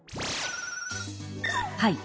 はい。